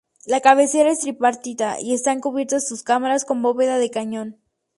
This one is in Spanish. La cabecera es tripartita y están cubiertas sus cámaras con bóveda de cañón.